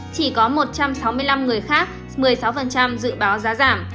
chỉ có một trăm sáu mươi năm người khác một mươi sáu dự báo giá giảm